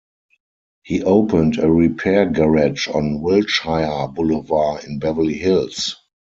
He opened a repair garage on Wilshire Boulevard in Beverly Hills.